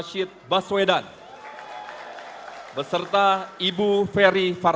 saya bukanlah seperti tetan